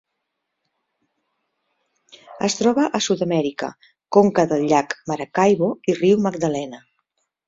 Es troba a Sud-amèrica: conca del llac Maracaibo i riu Magdalena.